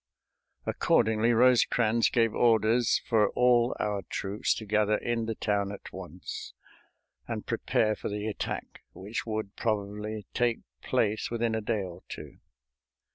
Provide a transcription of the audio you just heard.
Accordingly, Rosecrans gave orders for all our troops to gather in the town at once and prepare for the attack which would probably take place within a day or two.